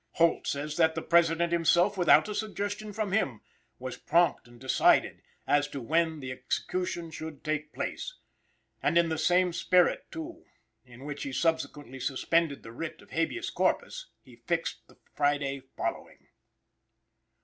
Holt says that the President himself, without a suggestion from him, was "prompt and decided" "as to when the execution should take place," "and in the same spirit too, in which he subsequently suspended the writ of Habeas Corpus, he fixed the Friday following."